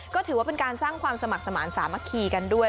ก็ถือว่าเป็นการสร้างความสมัครสมาธิสามัคคีกันด้วย